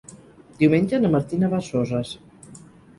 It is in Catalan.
Diumenge na Martina va a Soses.